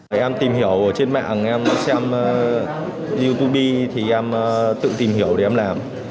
em tìm hiểu trên mạng em xem youtube thì em tự tìm hiểu để em làm